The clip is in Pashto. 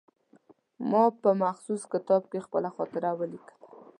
ما په مخصوص کتاب کې خپله خاطره ولیکله.